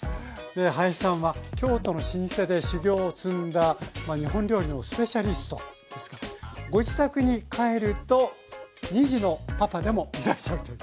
林さんは京都の老舗で修業を積んだ日本料理のスペシャリストですけどご自宅に帰ると２児のパパでもいらっしゃるという。